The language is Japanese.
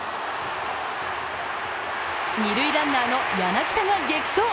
二塁ランナーの柳田が激走。